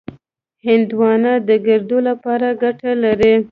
هندوانه د ګردو لپاره ګټه لري.